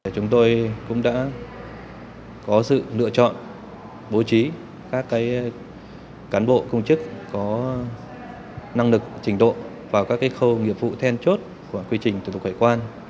chúng tôi cũng đã có sự lựa chọn bố trí các cán bộ công chức có năng lực trình độ vào các khâu nghiệp vụ then chốt của quy trình thủ tục hải quan